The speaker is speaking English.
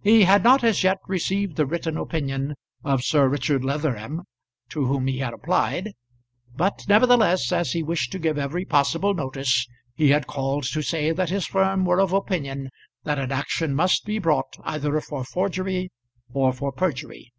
He had not as yet received the written opinion of Sir Richard Leatherham, to whom he had applied; but nevertheless, as he wished to give every possible notice, he had called to say that his firm were of opinion that an action must be brought either for forgery or for perjury.